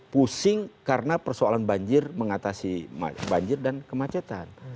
pusing karena persoalan banjir mengatasi banjir dan kemacetan